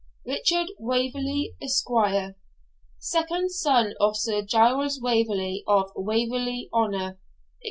Richard Waverley, Esq., second son of Sir Giles Waverley of Waverley Honour, etc.